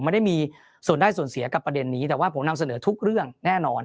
ไม่ได้มีส่วนได้ส่วนเสียกับประเด็นนี้แต่ว่าผมนำเสนอทุกเรื่องแน่นอน